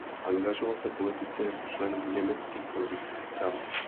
Angažoval se politice jako člen německých politických stran.